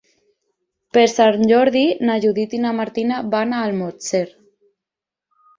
Per Sant Jordi na Judit i na Martina van a Almoster.